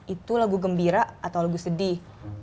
itu lagu gembira atau lagu sedih